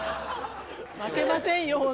負けませんよ！